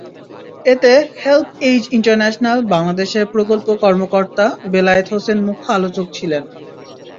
এতে HelpAge International বাংলাদেশের প্রকল্প কর্মকর্তা বেলায়েত হোসেন মুখ্য আলোচক ছিলেন।